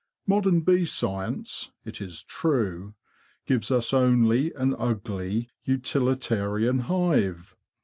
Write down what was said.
Modern bee science, it is true, gives us only an ugly utilitarian hive.